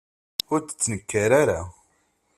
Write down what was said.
Ur d-tettnekkar ara.